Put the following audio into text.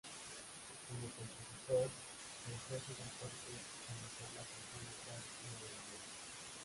Como compositor, centró sus esfuerzos en la forma sinfónica y en el "lied".